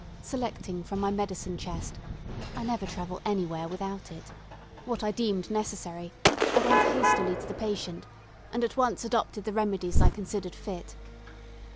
Selecting from my medicine chest I never travel anywhere without it what I deemed necessary, I went hastily to the patient, and at once adopted the remedies I considered fit.